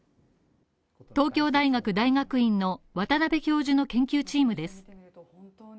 東京大学大学院の渡邉教授の研究チームです。